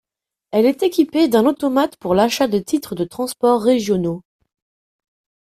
Elle est équipée d'un automate pour l'achat de titres de transport régionaux.